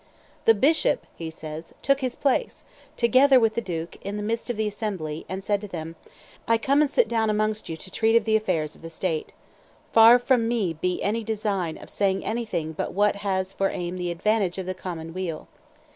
"The bishop," he says, "took his place, together with the duke, in the midst of the assembly, and said to them, 'I come and sit down amongst you to treat of the affairs of the state. Far from me be any design of saying anything but what has for aim the advantage of the common weal.